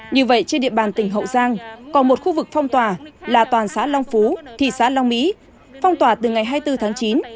như vậy trên địa bàn tỉnh hậu giang còn một khu vực phong tỏa là toàn xã long phú thị xã long mỹ phong tỏa từ ngày hai mươi bốn tháng chín